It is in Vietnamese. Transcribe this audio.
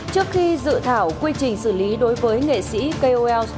trước khi dự thảo quy trình xử lý đối với nghệ sĩ kols